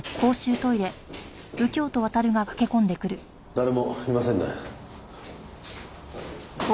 誰もいませんね。